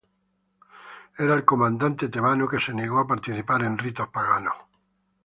Era el comandante tebano que se negó a participar en ritos paganos.